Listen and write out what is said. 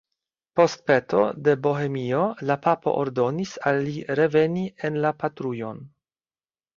Post peto de Bohemio la papo ordonis al li reveni en la patrujon.